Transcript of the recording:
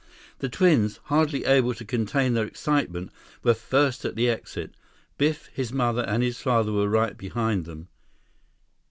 The twins, hardly able to contain their excitement, were first at the exit. Biff, his mother, and his father were right behind them.